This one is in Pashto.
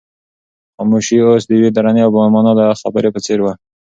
خاموشي اوس د یوې درنې او با مانا خبرې په څېر وه.